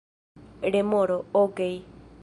Remoro: "Okej."